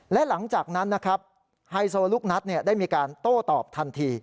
และหลังจากนั้นนะครับไฮโซลูกนัดได้มีการโต้ตอบทันที